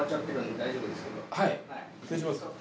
失礼します。